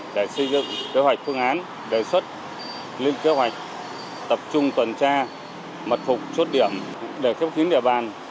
để xây dựng kế hoạch phương án đề xuất lên kế hoạch tập trung tuần tra mật phục chốt điểm để khép kín địa bàn